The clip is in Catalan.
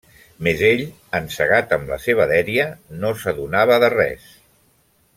Més ell, encegat amb la seva dèria, no s'adonava de res.